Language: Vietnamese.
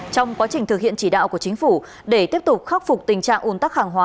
trong quá trình thực hiện chỉ đạo của chính phủ để tiếp tục khắc phục tình trạng ồn tắc hàng hóa